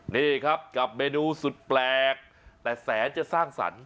นี่ครับกับเมนูสุดแปลกแต่แสนจะสร้างสรรค์